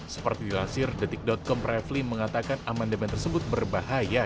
seperti dilansir detik com refli mengatakan amandemen tersebut berbahaya